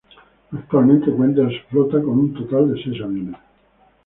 Actualmente cuenta en su flota con un total de seis aviones.